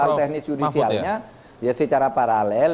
yang sekarang tidak bisa ya prof mahfud ya ya secara paralel